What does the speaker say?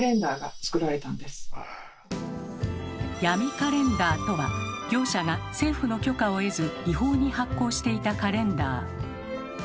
「ヤミカレンダー」とは業者が政府の許可を得ず違法に発行していたカレンダー。